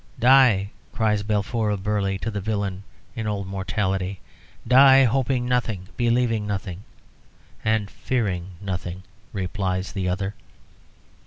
"Die," cries Balfour of Burley to the villain in "Old Mortality." "Die, hoping nothing, believing nothing " "And fearing nothing," replies the other.